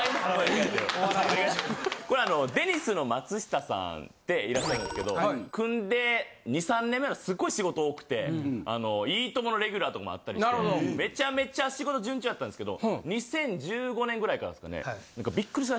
これあのデニスの松下さんっていらっしゃるんですけど組んで２３年目すっごい仕事多くてあの『いいとも！』のレギュラーとかもあったりしてめちゃめちゃ仕事順調やったんですけど２０１５年ぐらいからっすかね。